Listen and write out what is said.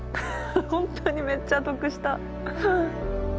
本当にめっちゃ得した。